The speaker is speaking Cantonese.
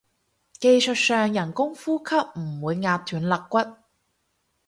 技術上人工呼吸唔會壓斷肋骨